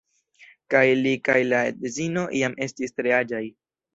Kaj li kaj la edzino jam estis tre aĝaj.